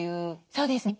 そうですね。